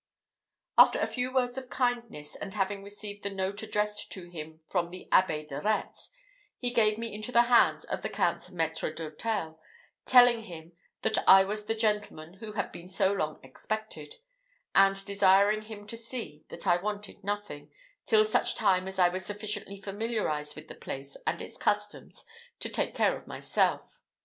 After a few words of kindness, and having received the note addressed to him from the Abbé de Retz, he gave me into the hands of the Count's maître d'hôtel, telling him that I was the gentleman who had been so long expected; and desiring him to see that I wanted nothing, till such time as I was sufficiently familiarized with the place and its customs to take care of myself.